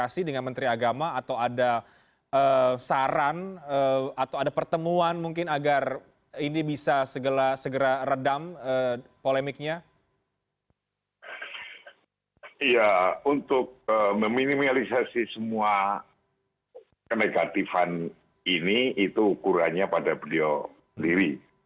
semua kenegatifan ini itu ukurannya pada beliau sendiri